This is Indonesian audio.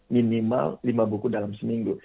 minimal lima buku dalam seminggu